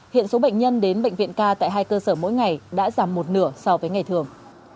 hiện số bệnh nhân đến bệnh viện ca tại hai cơ sở mỗi ngày đã giảm một nửa so với ngày thường